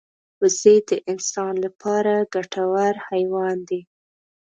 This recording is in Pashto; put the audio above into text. وزې د انسان لپاره ګټور حیوان دی